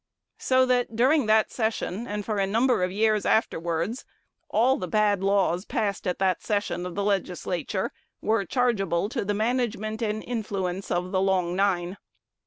So that during that session, and for a number of years afterwards, all the bad laws passed at that session of the Legislature were chargeable to the management and influence of 'The Long Nine.'